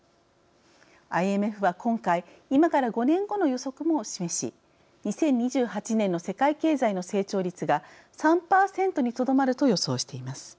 ＩＭＦは今回今から５年後の予測も示し２０２８年の世界経済の成長率が３％にとどまると予想しています。